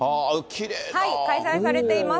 開催されています。